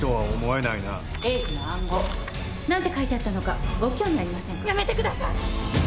栄治の暗号何て書いてあったのかご興味ありませんか？